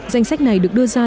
danh sách này được đưa ra